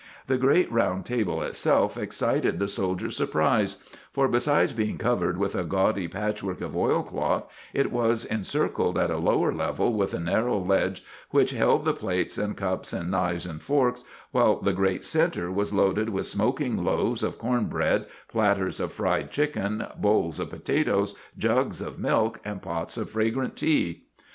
The great round table itself excited the soldiers', surprise; for, besides being covered with a gaudy patchwork of oilcloth, it was encircled at a lower level with a narrow ledge which held the plates and cups and knives and forks, while the great center was loaded with smoking loaves of corn bread, platters of fried chicken, bowls of potatoes, jugs of milk, and pots of fragrant tea.